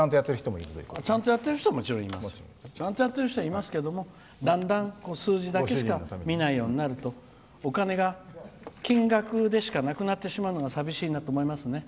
ちゃんとやってる人ももちろんいますけどもいますけども、だんだん数字だけしか見ないようになるとお金が金額でしかなくなってしまうのがさびしいなと思います。